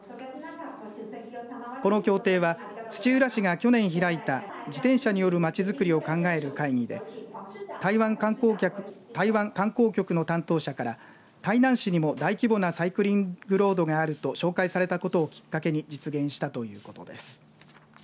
この協定は土浦市が去年開いた自転車によるまちづくりを考える会議で台湾観光局の担当者から台南市にも大規模なサイクリングロードがあると紹介されたことをきっかけに実現したということです。